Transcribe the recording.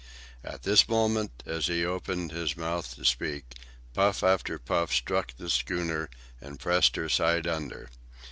At this moment, as he opened his mouth to speak, puff after puff struck the schooner and pressed her side under.